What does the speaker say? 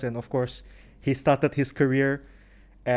dan tentu saja dia memulai karirnya